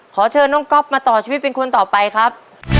ขอเชิญน้องก๊อฟมาต่อชีวิตเป็นคนต่อไปครับ